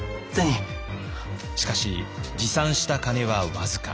しかし持参した金は僅か。